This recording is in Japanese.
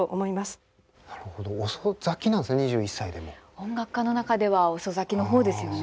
音楽家の中では遅咲きの方ですよね。